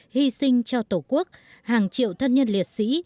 hy sinh cho tổ quốc hàng triệu thân nhân liệt sĩ